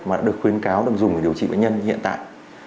mà đã được khuyến cáo được dùng để điều trị bệnh nhân hiện tại